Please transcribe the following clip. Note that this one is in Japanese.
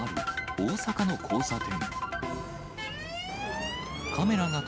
大阪の交差点。